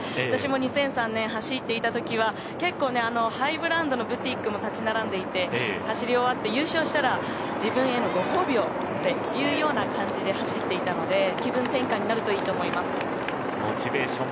私も２００３年走っていたときは結構ハイブランドのブティックも立ち並んでいて走り終わって優勝したら自分へのご褒美をっていうような感じで走っていたので